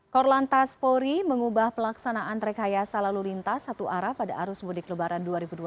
korlantas polri mengubah pelaksanaan rekayasa lalu lintas satu arah pada arus mudik lebaran dua ribu dua puluh